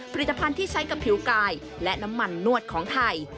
ผลิตภัณฑ์ที่ใช้กับผิวกายและน้ำมันนวดของไทย